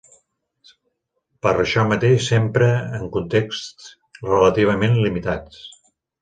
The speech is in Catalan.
Per això mateix s'empra en contexts relativament limitats.